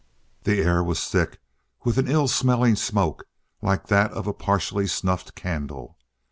The air was thick with an ill smelling smoke, like that of a partially snuffed candle.